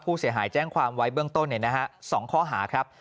ผู้เสียหายแจ้งความไว้เบื้องต้น๒ข้อหาครับ